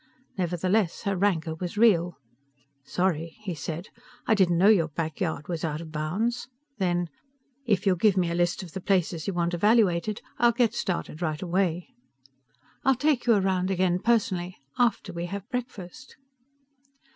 Nevertheless, her rancor was real. "Sorry," he said. "I didn't know your back yard was out of bounds." Then, "If you'll give me a list of the places you want evaluated, I'll get started right away." "I'll take you around again personally after we have breakfast."